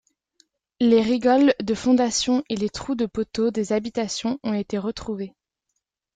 Les rigoles de fondation et les trous de poteaux des habitations ont été retrouvés.